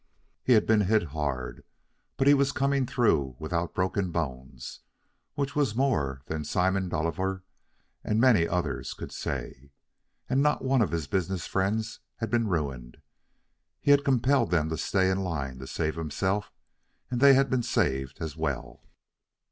He had been hit hard, but he was coming through without broken bones, which was more than Simon Dolliver and many another could say. And not one of his business friends had been ruined. He had compelled them to stay in line to save himself, and they had been saved as well.